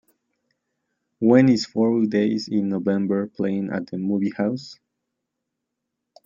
When is Four Days in November playing at the movie house?